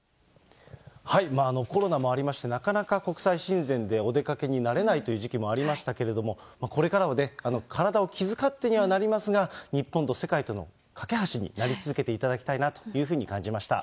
コロナもありまして、なかなか国際親善でお出かけになれないという時期もありましたけれども、これからは体を気遣ってにはなりますが、日本と世界との懸け橋になり続けていただきたいなというふうに感じました。